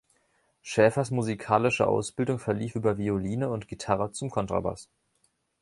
Schäfers musikalische Ausbildung verlief über Violine und Gitarre zum Kontrabass.